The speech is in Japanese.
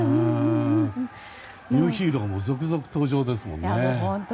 ニューヒーローも続々登場ですものね。